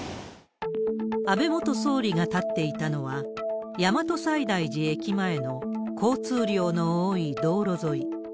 安倍元総理が立っていたのは、大和西大寺駅前の交通量の多い道路沿い。